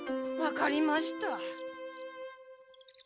わかりました。